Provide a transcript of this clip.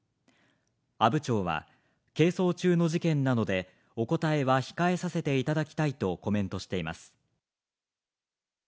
阿武町は、係争中の事件なのでお答えは控えさせていただきたいとコメントしています。